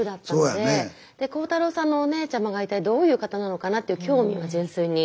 で浩太朗さんのお姉ちゃまが一体どういう方なのかなっていう興味が純粋に。